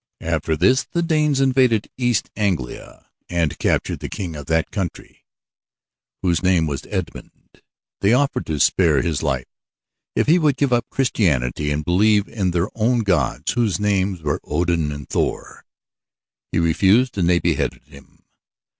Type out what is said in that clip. After this the Danes invaded East Anglia and captured the king of that country, whose name was Edmund. They offered to spare his life if he would give up Christianity and believe in their own gods whose names were Odin and Thor. He refused and they beheaded him.